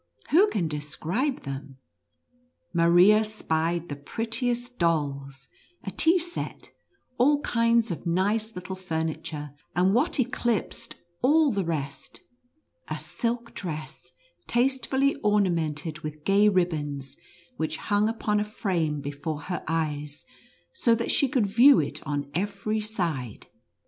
who can describe them \ Maria spied the prettiest dolls, a tea set, all kinds of nice little furniture, and what eclipsed all the rest, a silk dress tastefully ornamented with gay ribbons, which hung upon a frame before her eyes, so that she could view it on every side.